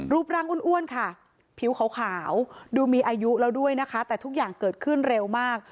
รูปร่างอ้วนค่ะผิวขาวดูมีอายุแล้วด้วยนะคะแต่ทุกอย่างเกิดขึ้นเร็วมาก